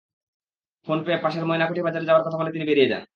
Phone পেয়ে পাশের ময়নাকুঠি বাজারে যাওয়ার কথা বলে তিনি বেরিয়ে যান।